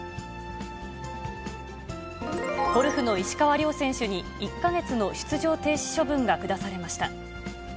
ゴルフの石川遼選手に、１か月の出場停止処分が下されました。